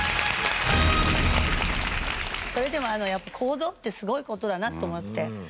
それでもやっぱ行動ってすごい事だなと思って。